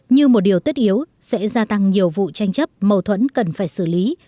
như một điều tất yếu sẽ gia tăng nhiều vụ tranh chấp mâu thuẫn cần phải xử lý